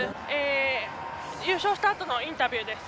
優勝したあとのインタビューです。